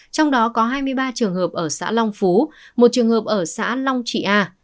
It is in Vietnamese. trong đó có hai mươi ba trường hợp ở xã long phú một trường hợp ở xã long trị a